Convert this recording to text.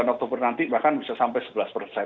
bulan oktober nanti bahkan bisa sampai sebelas